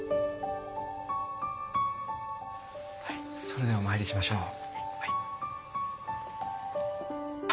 それではお参りしましょう。